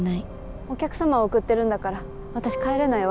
お客様を送ってるんだから私帰れないわ。